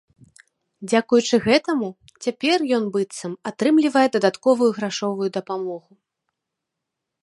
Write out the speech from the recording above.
Дзякуючы гэтаму цяпер ён, быццам, атрымлівае дадатковую грашовую дапамогу.